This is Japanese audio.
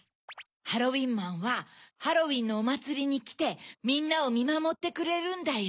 ハロウィンマンはハロウィンのおまつりにきてみんなをみまもってくれるんだよ。